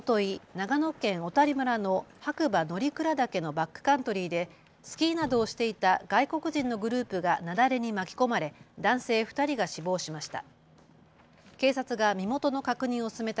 長野県小谷村の白馬乗鞍岳のバックカントリーでスキーなどをしていた外国人のグループが雪崩に巻き込まれ男性２人が死亡しました。